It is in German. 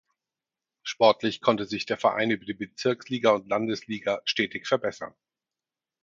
Sportlich konnte sich der Verein über die Bezirksliga und Landesliga stetig verbessern.